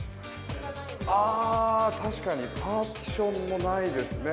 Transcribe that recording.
確かにパーティションがないですね。